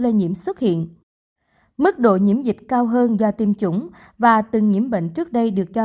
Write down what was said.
lây nhiễm xuất hiện mức độ nhiễm dịch cao hơn do tiêm chủng và từng nhiễm bệnh trước đây được cho